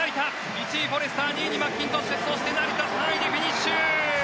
１位フォレスター２位にマッキントッシュそして成田は３位でフィニッシュ。